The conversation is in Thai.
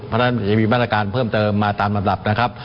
เพราะฉะนั้นยังมีมาตรการเพิ่มเติมมาตามลำดับนะครับ